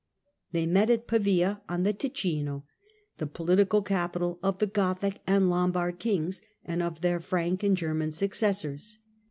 They met at Pavia on the Ticino, the political capital of the Gothic and Lombard kings and of their Frank and German successors.